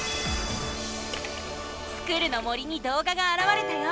スクる！の森にどうががあらわれたよ！